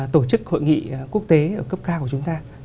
tổ chức hội nghị quốc tế ở cấp cao của chúng ta